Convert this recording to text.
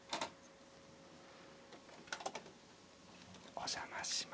お邪魔します。